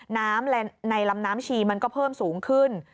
น้ำในลำน้ำชีมันก็เพิ่มสูงขึ้น